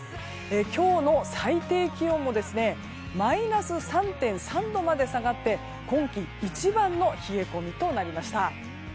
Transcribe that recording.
今日の最低気温もマイナス３．３度まで下がって今季一番の冷え込みとなりました。